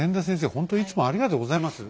ほんといつもありがとうございます。